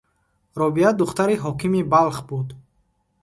Робиа духтари ҳокими Балх буд.